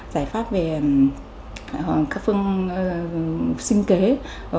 giải pháp về các phương sinh kế hỗ trợ sản xuất